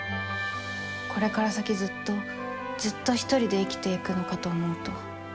これから先ずっとずっとひとりで生きていくのかと思うと。